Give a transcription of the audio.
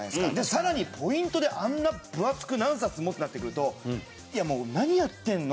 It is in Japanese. さらにポイントであんな分厚く何冊もってなってくると「いやもう何やってんの？